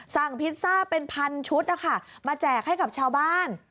พิซซ่าเป็นพันชุดนะคะมาแจกให้กับชาวบ้าน